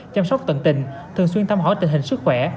chăm sóc tận tình thường xuyên thăm hỏi tình hình sức khỏe